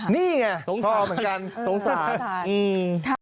นี่ไงสงสาร